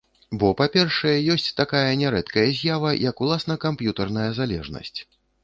Бо, па-першае, ёсць такая нярэдкая з'ява, як уласна камп'ютарная залежнасць.